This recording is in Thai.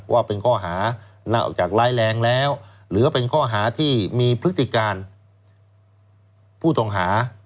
ว่าเป็นข้อหานอกจากร้ายแรงแล้วหรือเป็นข้อหาที่มีพฤติการผู้ต้องหา